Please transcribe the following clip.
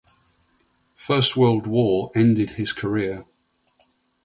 First World War ended his career.